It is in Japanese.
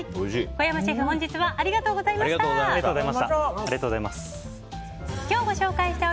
小山シェフ本日はありがとうございました。